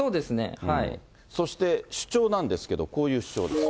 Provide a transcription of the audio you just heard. そして、主張なんですけど、こういう主張です。